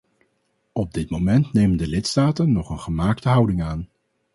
Op dit moment nemen de lidstaten nog een gemaakte houding aan.